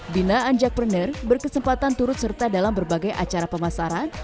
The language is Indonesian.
binaan jackpreneur berkesempatan turut serta dalam berbagai acara pemasaran